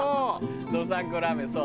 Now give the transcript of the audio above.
どさん子ラーメンそう。